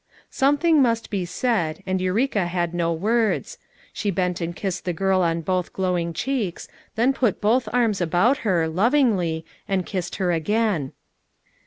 Something must be said, and Eureka had no words. She bent and kissed the girl on both glowing cheeks, then put both arms about her, lovingly, and kissed her again.